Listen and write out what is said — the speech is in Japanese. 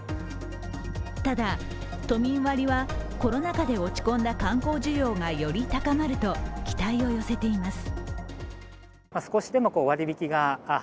ただ都民割はコロナ禍で落ち込んだ観光需要がより高まると期待を寄せています。